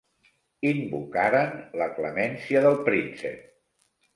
Invocaren la clemència del príncep.